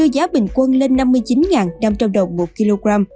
giá bình quân lên năm mươi chín năm trăm linh đồng một kg